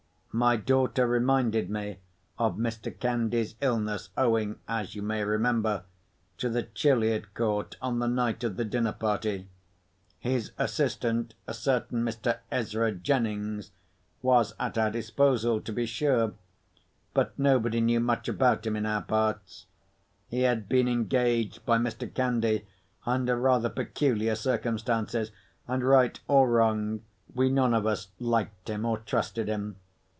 My daughter reminded me of Mr. Candy's illness, owing (as you may remember) to the chill he had caught on the night of the dinner party. His assistant—a certain Mr. Ezra Jennings—was at our disposal, to be sure. But nobody knew much about him in our parts. He had been engaged by Mr. Candy under rather peculiar circumstances; and, right or wrong, we none of us liked him or trusted him.